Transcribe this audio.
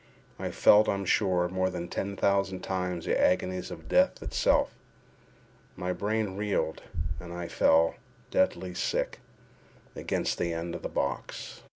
I felt, I am sure, more than ten thousand times the agonies of death itself. My brain reeled, and I fell, deadly sick, against the end of the box.